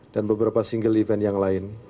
dan beberapa single event yang lain